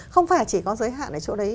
không phải chỉ có giới hạn ở chỗ đấy